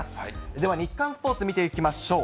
では、日刊スポーツ、見ていきましょう。